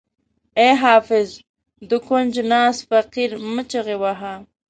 ای حافظ د کونج ناست فقیر مه چیغه وهه.